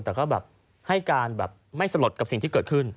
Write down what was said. แต่ก็แบบให้การแบบไม่สลดกับสิ่งที่เกิดขึ้น